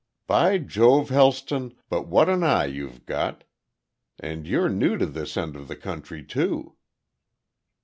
"By Jove, Helston, but what an eye you've got. And you're new to this end of the country too."